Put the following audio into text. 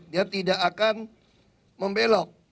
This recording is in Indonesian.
dia akan membelok